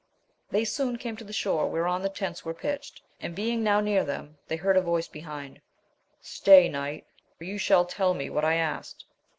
They soon came to tlie sliore whereon the tents were pitched ; and being now near them, they heard a voice behind, Stay, knight, for you shall tell me what I asked.